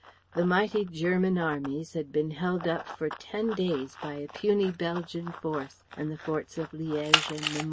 The mighty German Armies had been held up for ten days by a puny Belgian force and the forts of Liège and Namur.